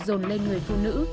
rồn lên người phụ nữ